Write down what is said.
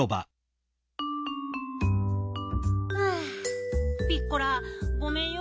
はあピッコラごめんよ。